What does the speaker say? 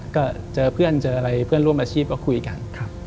ก็เจอเพื่อนเจออะไรเพื่อนร่วมอาชีพก็คุยกัน